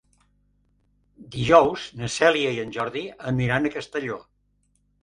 Dijous na Cèlia i en Jordi aniran a Castelló.